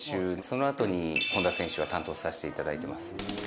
そのあとに本田選手を担当させて頂いてます。